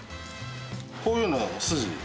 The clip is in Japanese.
こういうのが筋。